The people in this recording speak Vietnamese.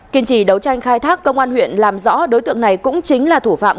kiên trì đấu tranh khai thác công an huyện làm rõ đối tượng này cũng chính là thủ phạm